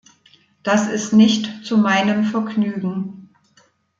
Das ist nicht zu meinem Vergnügen.